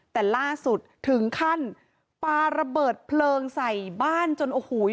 แต่ล่าสุดถึงขั้นปลาระเบิดเพลิงใส่บ้านจนโอ้โห